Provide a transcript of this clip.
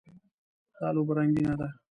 دا لوبه رنګینه ده.